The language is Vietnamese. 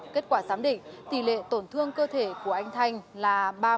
kết quả giám định tỷ lệ tổn thương cơ thể của anh thanh là ba mươi ba